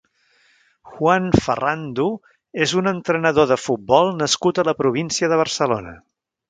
Juan Ferrando és un entrenador de Futbol nascut a la província de Barcelona.